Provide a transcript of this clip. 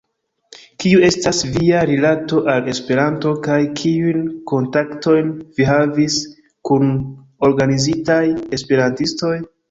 Kiu estas via rilato al Esperanto kaj kiujn kontaktojn vi havis kun organizitaj esperantistoj?